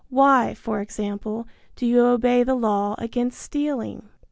Why, for example, do you obey the law against stealing?